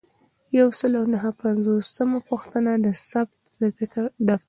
یو سل او نهه پنځوسمه پوښتنه د ثبت دفتر دی.